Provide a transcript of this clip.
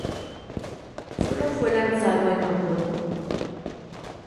Solo fue lanzado en Japón.